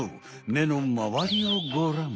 めのまわりをごらん。